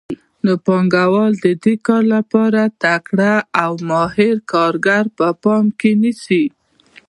نو پانګوال د دې کار لپاره تکړه او ماهر کارګر په پام کې نیسي